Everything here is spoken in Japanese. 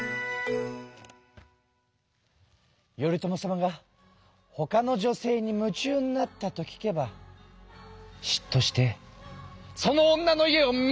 頼朝様がほかの女性に夢中になったと聞けばしっとしてその女の家をメッチャクチャにこわしたり。